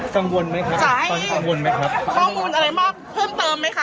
สังวนไหมคะลองว่านม้ายครับข้อมูลอะไรมากเพิ่มเติมไหมคะ